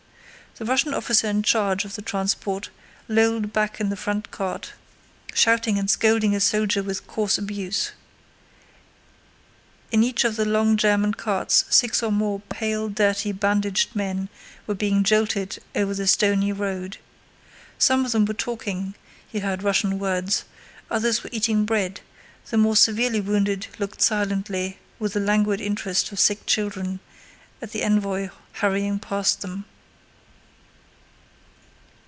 The Russian officer in charge of the transport lolled back in the front cart, shouting and scolding a soldier with coarse abuse. In each of the long German carts six or more pale, dirty, bandaged men were being jolted over the stony road. Some of them were talking (he heard Russian words), others were eating bread; the more severely wounded looked silently, with the languid interest of sick children, at the envoy hurrying past them.